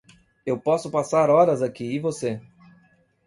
eu posso passar horas aqui e você?